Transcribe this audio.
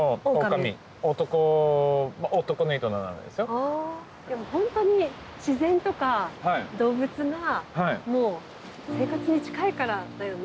あでも本当に自然とか動物がもう生活に近いからだよね。